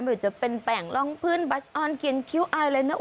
เหมือนจะเป็นแปลงรองพื้นบัชออนกินคิ้วอายุอะไรนะ